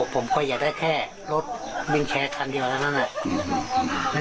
ผมก็อยากได้แค่รถบินแชร์คันเดียวกันหน่อย